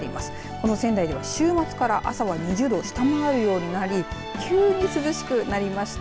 この仙台では週末から朝は２０度を下回るようになり急に涼しくなりました。